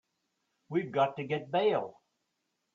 We've got to get bail.